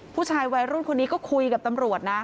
ผู้ชายวัยรุ่นคนนี้ก็คุยกับตำรวจนะ